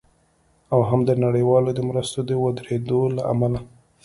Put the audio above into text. او هم د نړیوالو د مرستو د ودریدو له امله